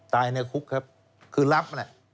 ตายในคุกครับก็คือรับ